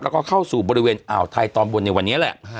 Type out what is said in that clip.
แล้วก็เข้าสู่บริเวณอ่าวไทยตอนบนในวันนี้แหละ